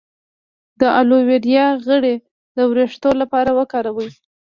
د الوویرا غوړي د ویښتو لپاره وکاروئ